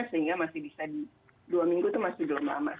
sehingga masih bisa di dua minggu itu masih belum lama